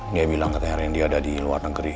dia bilang katanya dia ada di luar negeri